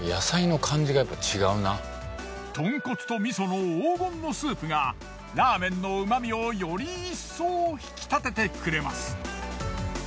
豚骨とみその黄金のスープがラーメンのうま味をより一層引き立ててくれます。